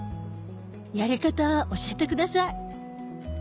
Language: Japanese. やり方教えて下さい。